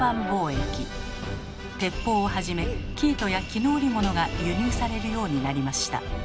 鉄砲をはじめ生糸や絹織物が輸入されるようになりました。